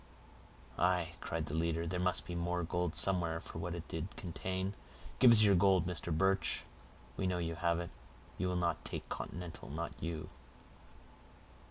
"Aye," cried the leader, "there must be gold somewhere for what it did contain. Give us your gold, Mr. Birch; we know you have it; you will not take continental, not you."